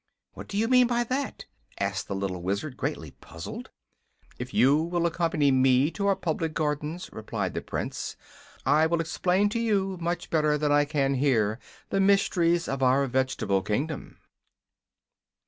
"What do you mean by that?" asked the little Wizard, greatly puzzled. "If you will accompany me to our public gardens," replied the Prince, "I will explain to you much better than I can here the mysteries of our Vegetable Kingdom."